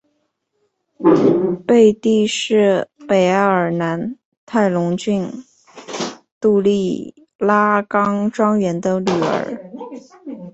贝蒂是北爱尔兰泰隆郡杜利拉冈庄园的女儿。